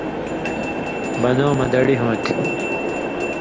بن٘دؤں مہ دڑی ہوں تھی